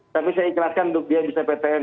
tapi saya ikhlaskan untuk dia bisa ptm